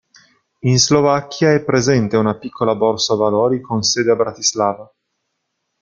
In Slovacchia è presente una piccola borsa valori con sede a Bratislava.